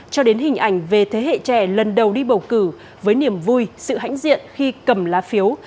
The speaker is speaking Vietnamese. cho đến hình ảnh về thế hệ trẻ lần đầu đi bầu cử với niềm vui sự hãnh diện khi cầm lá phiếu